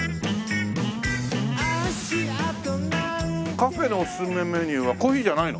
カフェのおすすめメニューはコーヒーじゃないの？